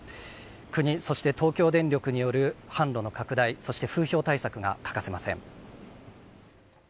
国、そして東京電力による販路の拡大そして風評対策が欠かせません。